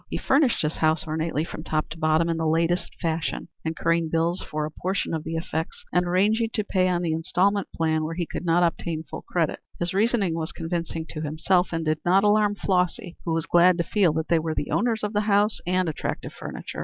He furnished his house ornately from top to bottom in the latest fashion, incurring bills for a portion of the effects, and arranging to pay on the instalment plan where he could not obtain full credit. His reasoning was convincing to himself and did not alarm Flossy, who was glad to feel that they were the owners of the house and attractive furniture.